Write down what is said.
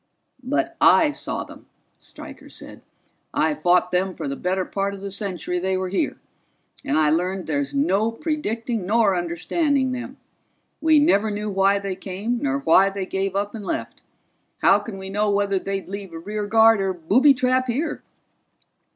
"But I saw them," Stryker said. "I fought them for the better part of the century they were here, and I learned there's no predicting nor understanding them. We never knew why they came nor why they gave up and left. How can we know whether they'd leave a rear guard or booby trap here?"